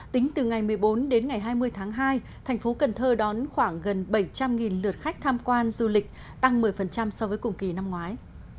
tính từ ngày một mươi bốn đến ngày hai mươi tháng hai thành phố cần thơ đón khoảng gần bảy trăm linh lượt khách tham quan du lịch tăng một mươi so với cùng kỳ năm ngoái